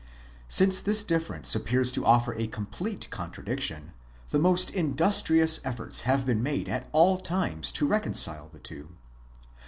Since this difference appears to offer a complete contradiction, the most industrious efforts have been made at all times to reconcile the two.